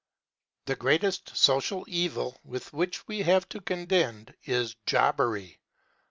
The greatest social evil with which we have to contend is jobbery.